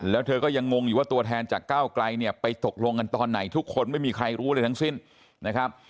แล้วเธอก็ยังงงอยู่ว่าตัวแทนจากก้าวไกลเนี่ยไปตกลงกันตอนไหนทุกคนไม่มีใครรู้อะไรทั้งสิ้นนะครับ